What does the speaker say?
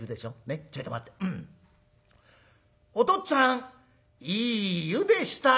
おとっつぁんいい湯でしたよ」。